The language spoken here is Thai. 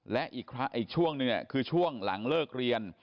และอีกช่วงหนึ่งคือช่วงหลังเลิกเรียน